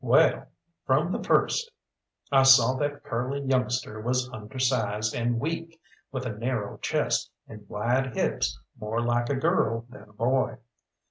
Well, from the first, I saw that Curly youngster was undersized and weak, with a narrow chest and wide hips more like a girl than a boy.